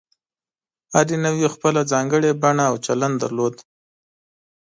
هرې نوعې خپله ځانګړې بڼه او چلند درلود.